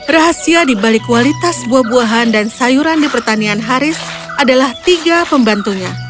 rahasia dibalik kualitas buah buahan dan sayuran di pertanian haris adalah tiga pembantunya